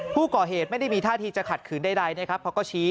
ผู้ก่อเหตุไม่ได้มีท่าที่จะขัดขืนใดนะครับเขาก็ชี้